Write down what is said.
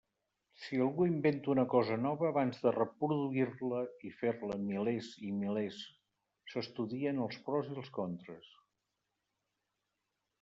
Si algú inventa una cosa nova, abans de reproduir-la i fer-ne milers i milers, s'estudien els pros i els contres.